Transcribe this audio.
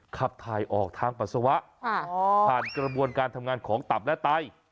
ขับถ่ายออกทางปัสสาวะผ่านกระบวนการทำงานของตับและไต